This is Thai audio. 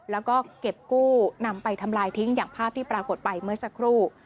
แล้วก็เก็บกู้นำไปทำลายทิ้งอย่างภาพที่ปรากฏไปเมื่อสักครู่